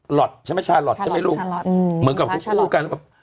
หลอดใช่ไหมชาห์หลอดใช่ไหมลูกเหมือนกับพวกคู่กัน